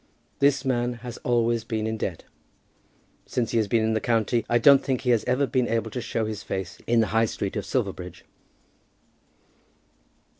This man has always been in debt. Since he has been in the county I don't think he has ever been able to show his face in the High Street of Silverbridge."